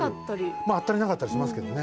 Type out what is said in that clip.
まああったりなかったりしますけどね。